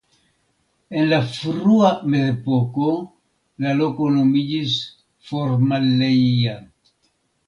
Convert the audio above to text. En la frua Mezepoko la loko nomiĝis Formelleia.